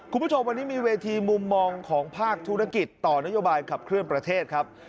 คุณผู้ชมวันนี้มีเวทีมุมมองของภาคธุรกิจต่อนโยบายขับเคลื่อนประเทศครับ